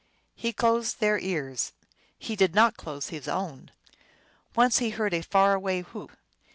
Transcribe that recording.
He closed their ears ; he did not close his own. Once he heard a far away whoop.